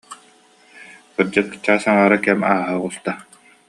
Кырдьык, чаас аҥаара кэм ааһа оҕуста